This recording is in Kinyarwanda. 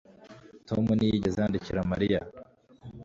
Tom ntiyigeze yandikira Mariya